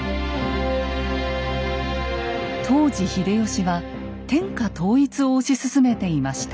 当時秀吉は天下統一を推し進めていました。